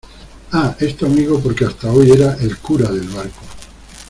ah. es tu amigo porque hasta hoy era el cura del barco